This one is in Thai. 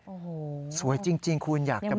โอ้โหสวยจริงคุณอยากจะ